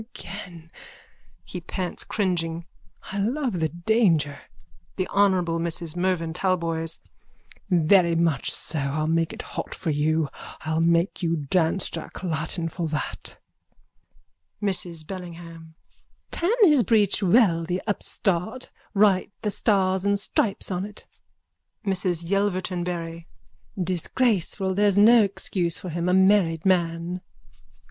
_ Again! (He pants cringing.) I love the danger. THE HONOURABLE MRS MERVYN TALBOYS: Very much so! I'll make it hot for you. I'll make you dance Jack Latten for that. MRS BELLINGHAM: Tan his breech well, the upstart! Write the stars and stripes on it! MRS YELVERTON BARRY: Disgraceful! There's no excuse for him! A married man!